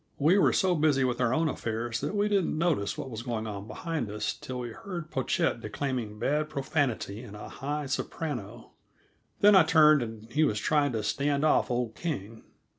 We were so busy with our own affairs that we didn't notice what was going on behind us till we heard Pochette declaiming bad profanity in a high soprano. Then I turned, and he was trying to stand off old King.